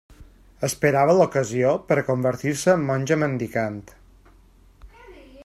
Esperava l'ocasió per a convertir-se en monja mendicant.